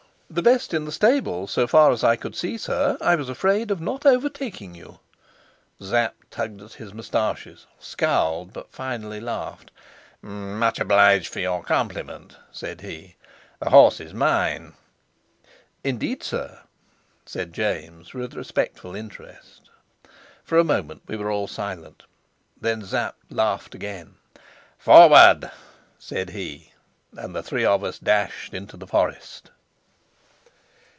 "The best in the stables, so far as I could see, sir. I was afraid of not overtaking you." Sapt tugged his moustaches, scowled, but finally laughed. "Much obliged for your compliment," said he. "The horse is mine." "Indeed, sir?" said James with respectful interest. For a moment we were all silent. Then Sapt laughed again. "Forward!" said he, and the three of us dashed into the forest.